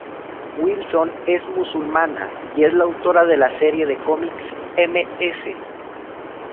Wilson es musulmana, y es la autora de la serie de cómics "Ms.